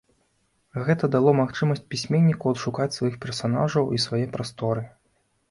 Гэта дало магчымасць пісьменніку адшукаць сваіх персанажаў і свае прасторы.